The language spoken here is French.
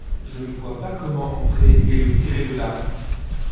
Je ne voyais pas comment entrer et le tirer de là.